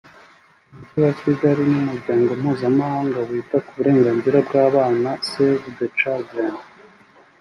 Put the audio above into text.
umujyi wa Kigali n’umuryango mpuzamahanga wita ku burenganzira bw’abana Save The Children